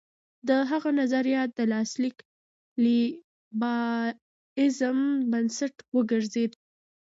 د هغه نظریات د کلاسیک لېبرالېزم بنسټ وګرځېد.